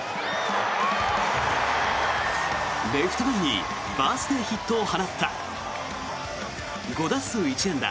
レフト前にバースデーヒットを放った５打数１安打。